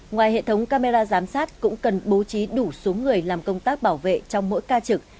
ngoài hệ thống camera giám sát cũng cần bố trí đủ số người làm công tác bảo vệ trong mỗi ca trực